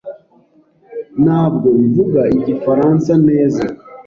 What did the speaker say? Ntabwo mvuga Igifaransa neza.